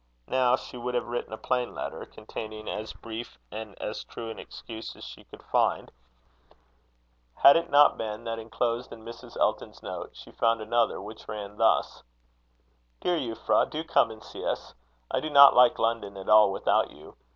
Now she would have written a plain letter, containing as brief and as true an excuse as she could find, had it not been, that, inclosed in Mrs. Elton's note she found another, which ran thus: "DEAR EUPHRA, Do come and see us. I do not like London at all without you.